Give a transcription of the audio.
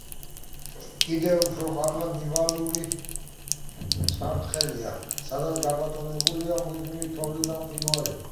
კიდევ უფრო მაღლა ნივალური სარტყელია, სადაც გაბატონებულია მუდმივი თოვლი და მყინვარები.